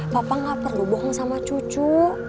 papa gak perlu bohong sama cucu